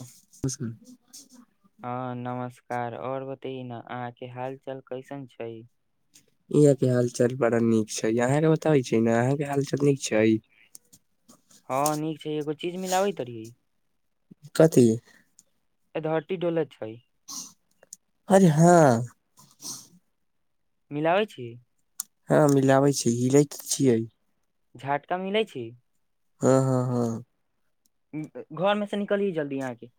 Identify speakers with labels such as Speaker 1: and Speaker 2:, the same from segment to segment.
Speaker 1: हं सर
Speaker 2: हं नमस्कार और बतेय न अहा के हाल चाल कैसन छै
Speaker 1: इह के हाल चाल बड़ा नीक छै यहां के बताबे छय न अहा के हालचाल नीक छै
Speaker 2: हँ नीक छय एगो चीज मिला बैतरी
Speaker 1: कथी
Speaker 2: ए धरती डोल छै
Speaker 1: अर हँ
Speaker 2: मिलाबय छी
Speaker 1: हँ मिलाबय छै हिलै त छियै
Speaker 2: झाटका मिलै छय
Speaker 1: हँ हँ हँ
Speaker 2: घर में से निकलिय जल्दी यहाँके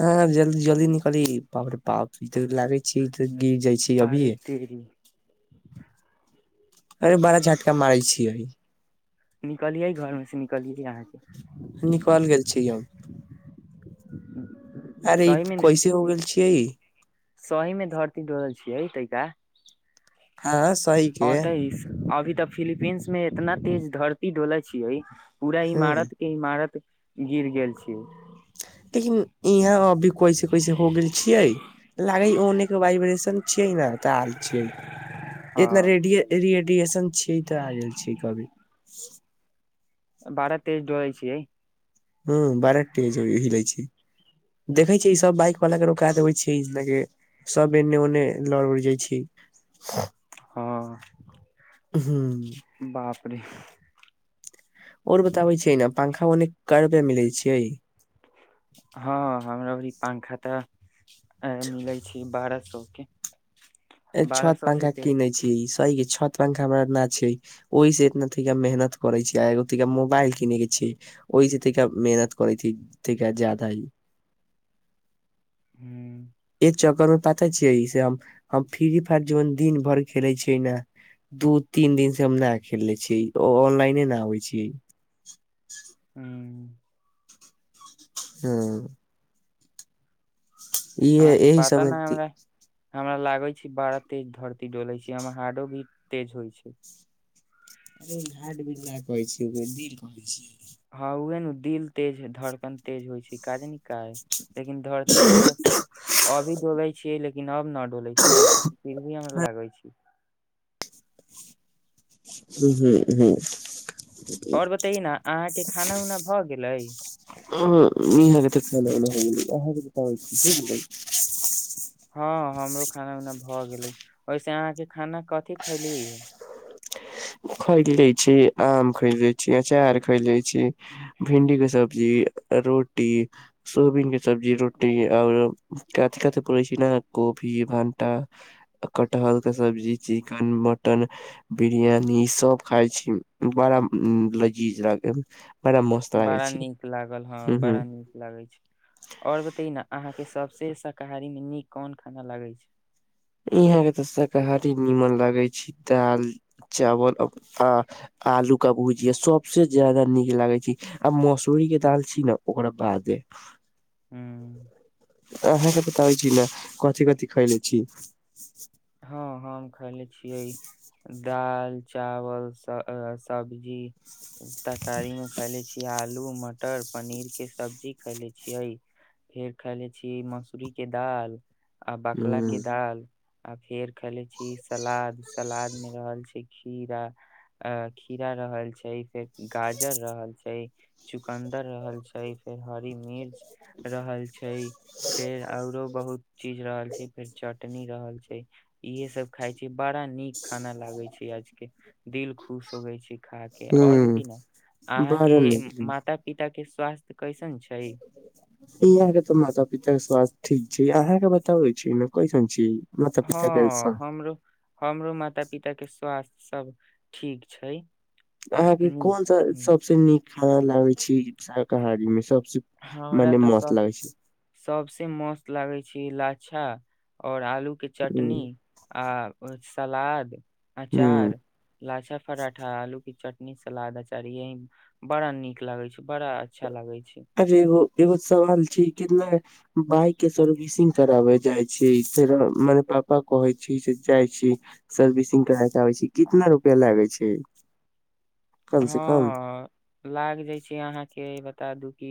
Speaker 1: हँ जल्दी जल्दी निकली बाप र बाप ई त लागे छै ई त गिर जाइ छय
Speaker 2: आरे तेरी
Speaker 1: अरे बड़ा झटका मारय छियै
Speaker 2: निकलियै घर में से निकलियै अहाँके
Speaker 1: निकल गेल छी यउ
Speaker 2: [inaudible]
Speaker 1: अरे
Speaker 2: मे
Speaker 1: कैसे हो गेल छियइ
Speaker 2: सही में धरती डोरल [unintelligible] छियै तैका
Speaker 1: हँ सही के
Speaker 2: अ तेइस अभी तऽ फिलीपीन्स में इतना तेज धरती डोलै छियै पूरा
Speaker 1: हँ
Speaker 2: इमारत के इमारत गिर गेल छी
Speaker 1: लेकिन यहाँ अभी कैसे कैसे हो गेल छियइ लागे उने के वाइब्रेशन छय ने तऽ हाल छै
Speaker 2: हँ
Speaker 1: एतना रेडिय रेडियएशन छीय तऽ आ गेल छी कभी
Speaker 2: बारा तेज डलै छीयइ
Speaker 1: हँ बाराटे [unintelligible] हिलय छी देखै छियै ई सब बाइक वाला के रोका देबै छय के सब एने ओने लड़ उड़ जाइ छी
Speaker 2: हँ
Speaker 1: हूँ
Speaker 2: बाप रे
Speaker 1: और बताबे छियै ने पंखा ओने क रुपआ मिलैत छियइ
Speaker 2: हँ हमरा पंखा तऽ मिलै छै बारह सए के
Speaker 1: ए
Speaker 2: बारह
Speaker 1: छत
Speaker 2: सौ से
Speaker 1: पंखा
Speaker 2: ते
Speaker 1: किने छी ई सही छत पंखा हमरा न छय ओहिस इतना तिका मेहनत करे छी आ एगो तिका मोबाइल किने के छय ओहि जे मेहनत करै छी जादा
Speaker 2: हूँ
Speaker 1: एक चक्कर में पता छियै से हम हम फ्री फायर जन दिन भरि खेले छियै ने दू तीन दिन से हम नहि खेले छियै ऑनलाइने नहि आबै छय
Speaker 2: हूँ
Speaker 1: हँ इह
Speaker 2: अहाँके
Speaker 1: एहि
Speaker 2: पता ने
Speaker 1: समय [unintelligible]
Speaker 2: हमरा हमरा लागे छै बड़ा तेज धरती डोले छै हमर हार्डो बिट तेज होइ छय
Speaker 1: अरे घाट बिला कहै छी उन्दिर कहै छ
Speaker 2: हँ उहे ने दिल तेज धड़कन तेज होइ छय काजानि क लेकिन धरतीतै क अभी डोले छियइ लेकिन अब न डोले छी फिर भी हमरा लागे छी
Speaker 1: ह हूँ ह [inaudible]
Speaker 2: और बतय न अहाँ के खाना उना भऽ गेलय
Speaker 1: हं इह तऽ ख हह त त ख बझलै [inaudible]
Speaker 2: हँ हमरो खाना उना भऽ गेलय ओहिसे अहाँके खाना कथि खैली
Speaker 1: खैले छी आम खैले छी अचार खैले छी भिंडी के सब्जी रोटी सोयाबीन के सब्जी रोटी आर कच काच [unintelligible] पड़ै छी ने कपी भणटा कटहर के सब्जी चिकेन मटन बिरियानी सब खाय छी बड़ा लजीज लागे बड़ा मस्त लागे
Speaker 2: बड़ा
Speaker 1: छी
Speaker 2: नीक लागल हँ
Speaker 1: हम्म
Speaker 2: बड़ा नीक लगय छै और बताअ न अहाँ के सबसे शाकारी मे नीक कोन खाना लगे छै
Speaker 1: यहां के तऽ शाकाहारी नीमन लगे छय दाल चावल आ आलू का भुजिया सबसे ज्यादा नीक लागे ध्य आ मसूरी के दाल छी ने ओकरा बादे
Speaker 2: हूँ
Speaker 1: आहांके बताबइ छी ना कथी कथि खयले छी
Speaker 2: हँ हँ हम खयले छियइ दाल चावल सब्जी तरकारी में खयले छियइ आलू मटर पनीर के सब्जी खयले छियै फेर खयले छियै मसूरी के दाल आ बकला
Speaker 1: हम्म
Speaker 2: के दाल आ फेर खयले छियै सलाद सलाद में रहल छै खीरा आ खीरा रहल छै फेर गाजर रहल छय चुकन्दर रहल छय फेर हरी मीर रहल छय फेर औरो बहुत चीज रहल छै फेर चटनी रहल छै इहे सब खाय छय बड़ा नीक खाना लागे छै आज के दिल खुश होगे छै खा के और
Speaker 1: हम्म
Speaker 2: की न अहाँ के
Speaker 1: बड़ा नीक
Speaker 2: माता पिता के स्वास्थ्य कैसन छै
Speaker 1: यहाँ के तऽ माता पिता के स्वास्थ्य ठीक छै अहाँ के बताबे छी न कैसन छी माता पिता के
Speaker 2: हँ
Speaker 1: स्वास्थ्य
Speaker 2: हमरो हमरो माता पिता के स्वास्थ्य सब ठीक छय
Speaker 1: अहाँके कोन सा सबसे नीक खाना लागैत छय शाकाहारी मे सबसे
Speaker 2: हमरा
Speaker 1: मने
Speaker 2: तऽ
Speaker 1: मस्त
Speaker 2: सं
Speaker 1: लागै छै
Speaker 2: सबसे मस्त लागय छै इ लच्छा और आलू के
Speaker 1: हुं
Speaker 2: चटनी आ सलाद
Speaker 1: हुं
Speaker 2: अचार लच्छा पराठा आलू की चटनी सलाद अचार यहीं बड़ा नीक लागै छै बड़ा अच्छा लागय छै
Speaker 1: अरे एगो एगो सवाल छय कितना बाइक के सर्विसिंग कराबे जाइ छियइ फेर हम मने पापा कहै छै से जाइ छियै सर्विसिंग कराबैत आबै छी कितना रुपया लागय छै कम से कम
Speaker 2: हँ लाग जाइ छय अहाँके बता दू कि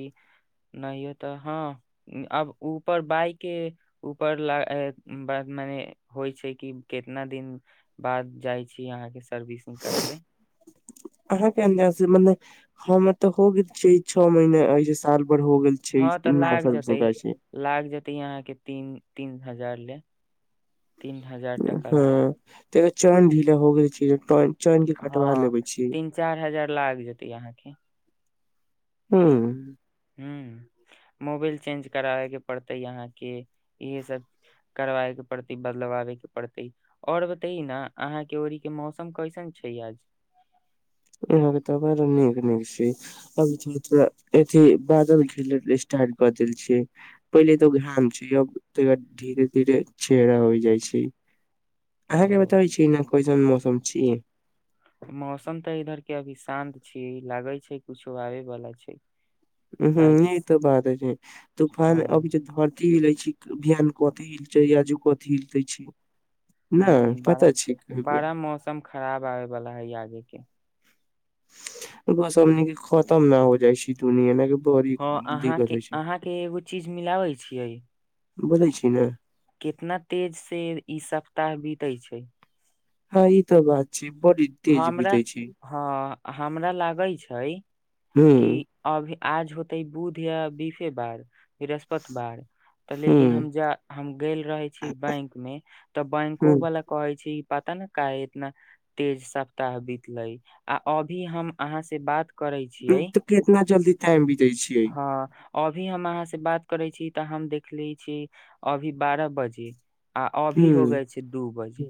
Speaker 2: नहियो तऽ हँ अब ऊपर बाइक के ऊपर लाग बात मने होइ छय कि कितना दिन बाद जाइ छी अहाँके सर्विसिंग कराबे
Speaker 1: अहां के अंजाद से मने हमर तऽ हो गेल छै छौ महीना ऐसे साल भर हो गेल छै
Speaker 2: हँ तऽ
Speaker 1: ना
Speaker 2: लाग जेतै
Speaker 1: सर्विसिंग कराबइ छी
Speaker 2: लाग जेतै अहाँके तीन तीन हजार ले तीन हजार टका ले
Speaker 1: हँ तैका चैन ढीला हो गेल छय जे
Speaker 2: हँ तीन चार हजार लाग जेतै अहाँके
Speaker 1: हूं हूँ
Speaker 2: हम्म मोबिल चेंज कराबे के पड़तै अहाँ के इहे सब करबायके पड़तै बदलवाबेके पड़तै और बतैयै न अहाँके ओड़ी के मौसम कैसन छय आज
Speaker 1: अपने सबके तऽ बड नीक नीक छी अभी तरले थोड़ा अथी बादल घेरले स्टार्ट कऽ देल छै पहिले तऽ ओ घाम छै अब तैका धीरे धीरे छहिरा हो जाइ छै अहाँके
Speaker 2: ओ
Speaker 1: बताबै छी ना कइसन मौसम छी
Speaker 2: मौसम तऽ इधर के अभी शान्त छियै लागे छै कुछो आबे बला छै
Speaker 1: हं
Speaker 2: काहेकि
Speaker 1: ई त बात छै
Speaker 2: हँ
Speaker 1: तूफान अभी जे ध ली कथी हिलय छै बिहान कथी हिलतै आजू कथी हिलतै छै न पता छै केहुके
Speaker 2: एकदम खराब आबे बला है आगे के
Speaker 1: ओके बाद सब नीके खतम न हो जाइ छय दुनिया लाक बड़ी
Speaker 2: हँ अहाँ
Speaker 1: दिक्कत
Speaker 2: के
Speaker 1: होइ छय
Speaker 2: अहाँ के एगो चीज मिलाबै छियै
Speaker 1: बजय छी ने
Speaker 2: कितना तेजसँ ई सप्ताह बीतै छय
Speaker 1: हँ ई तऽ बात छय बी
Speaker 2: हमरा हँ हमरा लागैत छय
Speaker 1: हूं
Speaker 2: कि अभी आज होतै बुध या बीफे बार बृहस्पत बार तऽ
Speaker 1: हूं।
Speaker 2: लेकिन हम जा हम गेल रहय छी बैंक में तऽ बैंको
Speaker 1: हुं
Speaker 2: वाला कहै छै पता न काहे इतना तेज सप्ताह बितलै आ अभी हम अहाँ से बात करै छियै
Speaker 1: कितना जल्दी टाइम बितय छियै
Speaker 2: हँ अभी हम अहाँ से बात करय छी तऽ हम देखलै छियै अभी बारह बजे आ अभी
Speaker 1: हुं
Speaker 2: हो गये छै दू बजे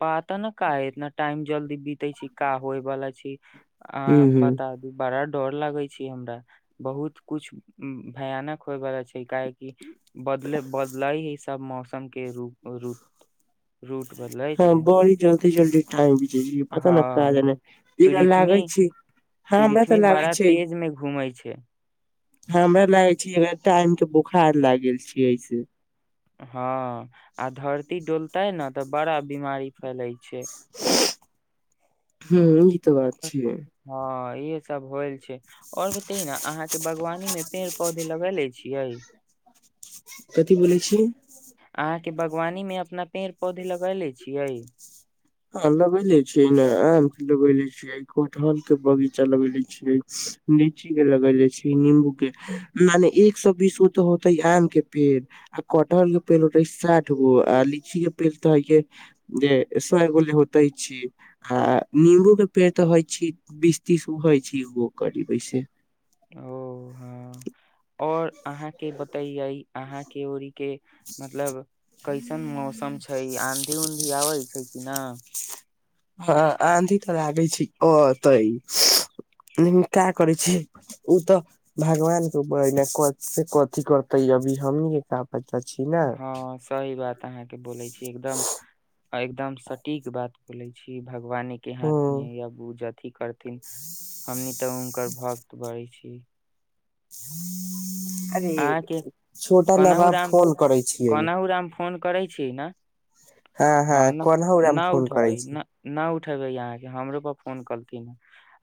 Speaker 2: पता न काहे इतना टाइम जल्दी बीतै छै का होय बला छै आ
Speaker 1: हुं हुं
Speaker 2: बता दु बड़ा डर लागै छै हमरा बहुत कुछ भयानक होइवला छै काहेकि बदल बदलाय ह बिना मौसम के रूप रुट रु
Speaker 1: हँ बड़ी जल्दी जल्दी टाइम बिजेजी पता
Speaker 2: हँ
Speaker 1: न का जाने ई गल लागै
Speaker 2: पृथ्वी
Speaker 1: छी
Speaker 2: पृथ्वी बड़ा तेज में घूमै छै
Speaker 1: हमरा लागै छै जेना टाइम के बोखार लाइग गेल छी ऐसे
Speaker 2: हँ आ धरती डोलतै ने तऽ बड़ा बीमारी फैले छै
Speaker 1: हँ ई तऽ बात छियैय
Speaker 2: हँ ई सब होलि छै आओर बतयी ना अहाँके बागवानी मे पेड़ पौधे लगैलै छियै
Speaker 1: कथी बोलै छीयै
Speaker 2: अहाँ के बागवानी में अपना पेड़ पौधे लगै ले छियैय
Speaker 1: हँ लबै ले छिय ना आम के लबै ले छियै एक कठहल के बगीचा लगैले छीयै लीची के लगैले छी नंबू के मने एक सौ बीस गो तऽ होते आम के पेड़ आ कटहल के पेल होतै साठ गो आ लिची के पेल तऽ हइ जे ग एगो लेगो होतै छीयै आ नम्बू के पेड़ तऽ होइ छी बीस तीस होइ छी ओ करीब से
Speaker 2: ओ हँ और अहाँके बतिया इ अहाँके उड़ी के मतलब कैसन मौसम छै आँधी उधी आबै छै कि न
Speaker 1: हँ आधी तऽ लागै छै ओते का करै छी ओ तऽ भगवान के ऊपर ने कथी करतेै अभी हमही के क अता छी ना
Speaker 2: हँ सही बात त अहाँ के बोले छी एकदम एकदम सटीक बात बोलै छी भगवाने के हाथ
Speaker 1: हूँ
Speaker 2: मे या बूज अथी करथिन हमनी तऽ हुनकर भक्त बढ़ै छी
Speaker 1: अरे
Speaker 2: अहाँके
Speaker 1: छोटा
Speaker 2: कोनाहु
Speaker 1: नबाब
Speaker 2: राम
Speaker 1: फोन करै छियै
Speaker 2: कोनाहु राम फोन करै छी ने हँ ना
Speaker 1: कोनहु राम
Speaker 2: ना
Speaker 1: फोन करै
Speaker 2: उठबै
Speaker 1: छी
Speaker 2: ना नहि उठेबै अहाँके हमरो पर फोन कलथिन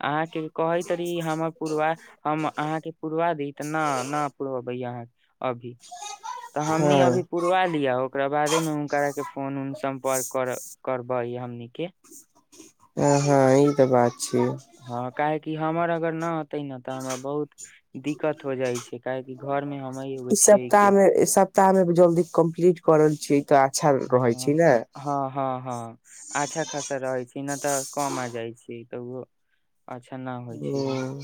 Speaker 2: अहाँके कहैत रहि हमर पुरवा हम अहाँके पुरवा दी त न ने ओ भैय हाँ के अभी तऽ
Speaker 1: हँ
Speaker 2: हमनी अभी पूरा करा लिय ओकरा बादे मे हुनक के फोन उन सम्पर्क कर करबै हमनीक के
Speaker 1: ह हँ ई तऽ बात छियै
Speaker 2: हँ काहेकि हमर अगर न अतै न तऽ हमरा बहुत दिक्कत हो जाइ छै काहेकि घर मे हमे एगो
Speaker 1: ई
Speaker 2: छियै
Speaker 1: सप्ताह
Speaker 2: के
Speaker 1: मे सप्ताह मे जल्दी कम्प्लीट करल छी तऽ अच्छा रहै
Speaker 2: हँ
Speaker 1: छी ने
Speaker 2: हँ हँ हँ अच्छा खासा रहै छी नहि तऽ कम आ जाइ छी तऽ अच्छा नहि होइ छी
Speaker 1: हम्म,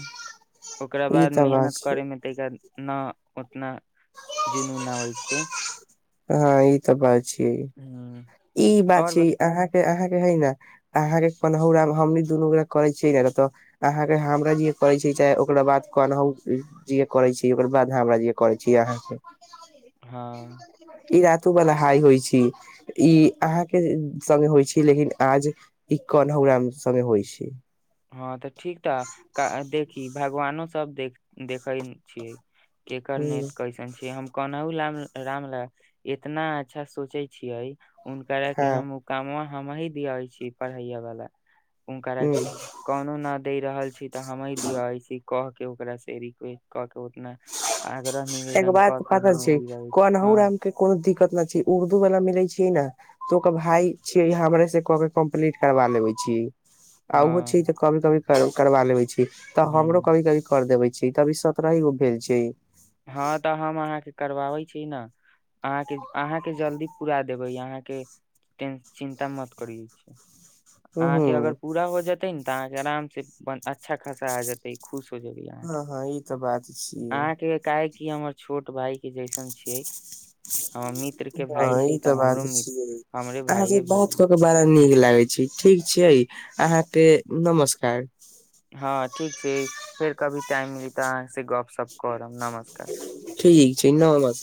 Speaker 2: ओकरा
Speaker 1: ई
Speaker 2: बाद
Speaker 1: तऽ बात
Speaker 2: मेहनत
Speaker 1: छै
Speaker 2: करे मे तेइके न उतना जुनून‌ आबै छै
Speaker 1: हँ ई तऽ बा छीयै
Speaker 2: हँ [unintelligible]
Speaker 1: ई बात छै अहाँके अहाँके है न अहाँके पनहहुरा हमनी दुन गोरा करै छियै ने तऽ। अहाँके हमरा जे करै छैय चाहे ओकरा बाद कनहौ जे करै छी ओकर बाद हमरा जे करै छी अहाँ।
Speaker 2: हँ
Speaker 1: ई रातो बला हाइ होइ छी। ई अहाँ के संगे होइ छी लेकिन आज ई कन हमरा संगे होइ छैय।
Speaker 2: हँ तऽ ठीक तऽ देखी भगवानो सब देख देखैत छियै। केकर नेत
Speaker 1: ह
Speaker 2: कैसन छैय हम कोनहु ला राम लाल इतना अच्छा सोचै छियै हुनकरा के
Speaker 1: हँ
Speaker 2: हम कामवा हमही दियाै छी पढ़ैय वाला हुंकारा के।
Speaker 1: ह
Speaker 2: कौनो न दे रहल छी तऽ हम दियाबै छी कह के ओकरा से। [unintelligible] आग्रह
Speaker 1: एगो
Speaker 2: निवेदन
Speaker 1: बात
Speaker 2: कऽ के
Speaker 1: पता छै
Speaker 2: [unintelligible]
Speaker 1: कन्हौराम के कोनो दिक्कत नहि छैय उर्दू वाला मिलै छैय ने। तऽ ओकर भाय छि हमरासे क के कम्प्लीट करबा लेबे छी आ ओ
Speaker 2: हँ
Speaker 1: छैय तऽ कभी कभी करबा लेबे छी तऽ हमरो
Speaker 2: ह्म
Speaker 1: कभी कभी कर देबे छी तभी सतरहेगो भेल छैय।
Speaker 2: हँ तऽ हम अहाँके करवाबै छी ने अहाँके अहाँके जल्दी पूरा देबै आहा के चिंता मत करीयौ
Speaker 1: ह
Speaker 2: आहाके अगर
Speaker 1: ह
Speaker 2: पूरा हो [unintelligible] जेतैन न तऽ अहाँ के आराम से अच्छा खासा आ जेतै खुश [unintelligible] अहाँके
Speaker 1: हँ हँ ई तऽ बात छियै
Speaker 2: काहे कि हमर छोट भाई के जैसन छियै हमर मित
Speaker 1: हँ ई तऽ बात छियै
Speaker 2: हमरे
Speaker 1: अहाँ से
Speaker 2: भाइये
Speaker 1: बात
Speaker 2: भेल
Speaker 1: कऽ के बड़ा नीक लागे छैय ठीक छैय अहाँके नमस्कार।
Speaker 2: हँ ठीक छैय फेर कभी टाइम मिलतै तऽ अहाँ से गपशप करब नमस्कार।
Speaker 1: ठीक छैय नमस